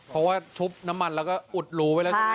เพราะว่าทุบน้ำมันแล้วก็อุดรูไปหรอ